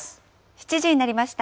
７時になりました。